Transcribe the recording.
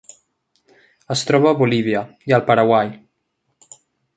Es troba a Bolívia i al Paraguai.